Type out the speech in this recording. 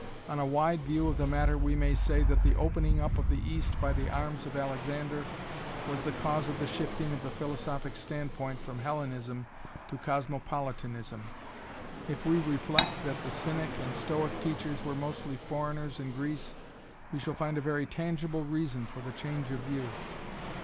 On a wide view of the matter we may say that the opening up of the East by the arms of Alexander was the cause of the shifting of the philosophic standpoint from Hellenism to cosmopolitanism. If we reflect that the Cynic and Stoic teachers were mostly foreigners in Greece we shall find a very tangible reason for the change of view.